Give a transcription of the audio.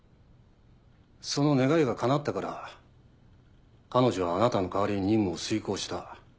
その願いが叶ったから彼女はあなたの代わりに任務を遂行した。